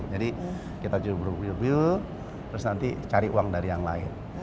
jadi kita jubur jubur terus nanti cari uang dari yang lain